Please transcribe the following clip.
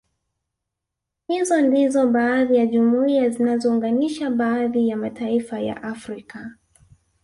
Hizo ndizo baadhi ya jumuiya zinazounganisha baadhi ya mataifa ya Afrika